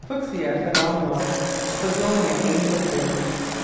Fuchsia Phenomenal. Begonia Angel's Wing.